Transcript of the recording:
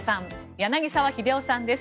柳澤秀夫さんです。